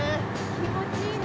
気持ちいいな。